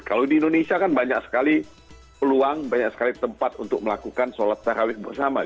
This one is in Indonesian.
kalau di indonesia kan banyak sekali peluang banyak sekali tempat untuk melakukan sholat tarawih bersama